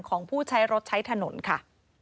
ของผู้ใช้รถใช้ถนนค่ะ